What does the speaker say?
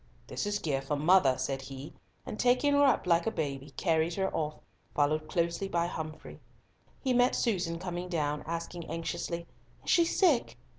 "This is gear for mother," said he, and taking her up like a baby, carried her off, followed closely by Humfrey. He met Susan coming down, asking anxiously, "Is she sick?"